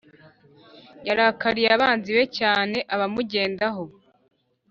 Yarakariye abanzi be cyane abamugendaho